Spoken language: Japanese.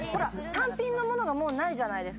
単品の物がもうないじゃないですか。